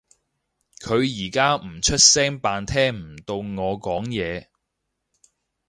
佢而家唔出聲扮聽唔到我講嘢